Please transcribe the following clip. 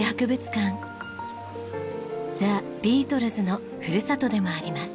ザ・ビートルズのふるさとでもあります。